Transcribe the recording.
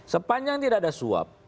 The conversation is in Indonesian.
sepanjang tidak ada suap